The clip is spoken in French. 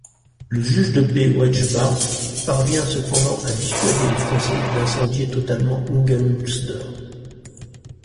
Le juge de paix Wagebaert parvient cependant à dissuader les Français d'incendier totalement Ingelmunster.